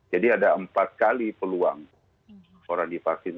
jadi ada empat kali peluang orang dipaksin